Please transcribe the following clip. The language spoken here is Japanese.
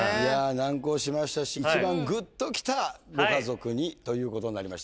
難航しましたし一番グッときたご家族にということになりました。